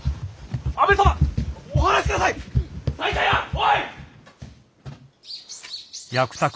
おい！